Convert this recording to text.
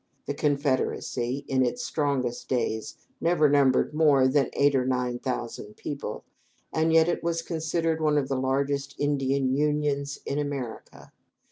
The confederacy, in its strongest days, never numbered more than eight or nine thousand people, and yet it was considered one of the largest Indian unions in America.